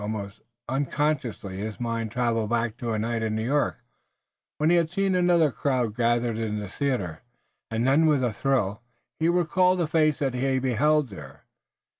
Almost unconsciously his mind traveled back to a night in New York, when he had seen another crowd gather in a theater, and then with a thrill he recalled the face that he had beheld there.